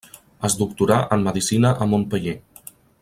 Es doctorà en medicina a Montpeller.